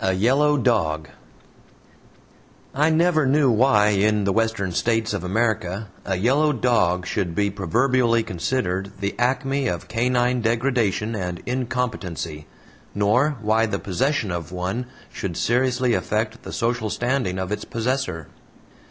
A YELLOW DOG I never knew why in the Western States of America a yellow dog should be proverbially considered the acme of canine degradation and incompetency, nor why the possession of one should seriously affect the social standing of its possessor.